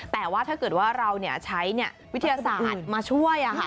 แต่ว่าถ้าเกิดว่าเราใช้วิทยาศาสตร์มาช่วย